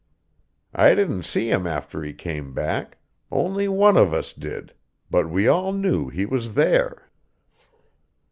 I didn't see him after he came back; only one of us did, but we all knew he was there.